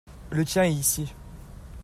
le tien est ici.